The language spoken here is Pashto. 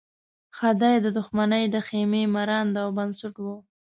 خدۍ د دښمنۍ د خېمې مرانده او بنسټ وه.